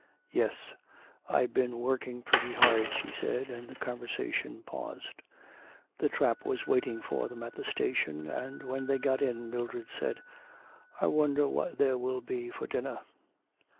'Yes, I've been working pretty hard,' she said, and the conversation paused. The trap was waiting for them at the station and, when they got in, Mildred said: 'I wonder what there will be for dinner.'